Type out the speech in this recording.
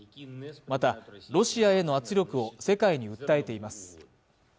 またロシアへの圧力を世界に訴えています